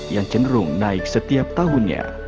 yang cenderung naik setiap tahunnya